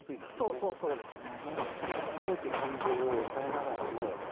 そうそうそうですね。